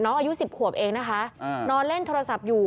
อายุ๑๐ขวบเองนะคะนอนเล่นโทรศัพท์อยู่